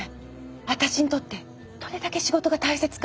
私にとってどれだけ仕事が大切か。